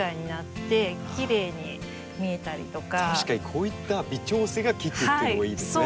こういった微調整が利くっていうのもいいですね。